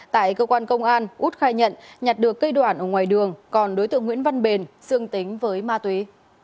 tại cơ quan công an út khai nhận nhặt được cây đoạn ở ngoài đường còn đối tượng nguyễn văn bền dương tính với ma túy